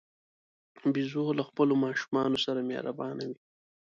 بیزو له خپلو ماشومانو سره مهربانه وي.